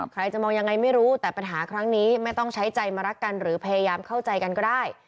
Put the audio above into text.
ใครจะมองยังไงไม่รู้แต่ปัญหาครั้งนี้ไม่ต้องใช้ใจมารักกันหรือพยายามเข้าใจกันก็ได้